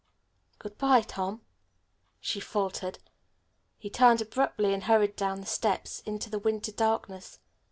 "Good bye, Tom," she faltered. He turned abruptly and hurried down the steps into the winter darkness.